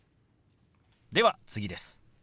では次です。